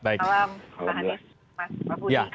selamat malam pak harif pak budiman